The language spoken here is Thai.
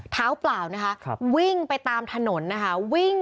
เท้าเปล่านะครับวิ่งไปตามถนนนะครับ